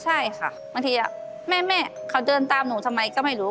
ใช่ค่ะบางทีแม่เขาเดินตามหนูทำไมก็ไม่รู้